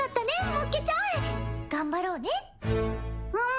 もっけちゃん頑張ろうねうむ